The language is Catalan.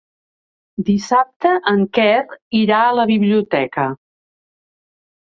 Dissabte en Quer irà a la biblioteca.